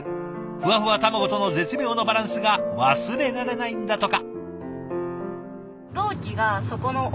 ふわふわ卵との絶妙のバランスが忘れられないんだとか。